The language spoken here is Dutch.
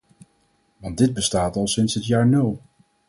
Want dit bestaat al sinds het jaar nul.